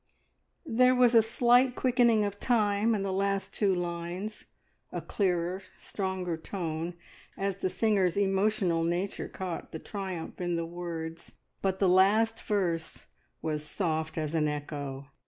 There was a slight quickening of time in the last two lines, a clearer, stronger tone, as the singer's emotional nature caught the triumph in the words, but the last verse was soft as an echo.